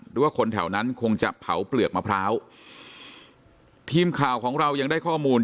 หรือว่าคนแถวนั้นคงจะเผาเปลือกมะพร้าวทีมข่าวของเรายังได้ข้อมูล